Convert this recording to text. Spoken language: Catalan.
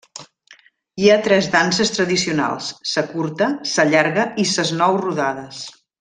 Hi ha tres danses tradicionals: sa curta, sa llarga i ses nou rodades.